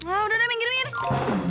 ah udah deh minggir minggir